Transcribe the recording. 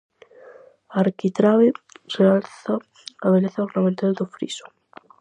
A arquitrabe realza a beleza ornamental do friso.